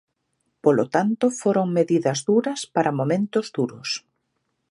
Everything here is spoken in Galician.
Polo tanto, foron medidas duras para momentos duros.